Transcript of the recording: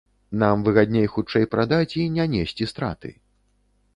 Нам выгадней хутчэй прадаць і не несці страты.